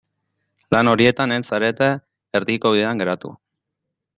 Lan horietan ez zarete erdiko bidean geratu.